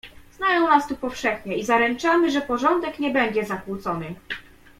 "Znają nas tu powszechnie i zaręczamy, że porządek nie będzie zakłócony."